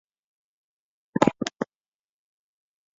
绿类锦夜蛾为夜蛾科类锦夜蛾属下的一个种。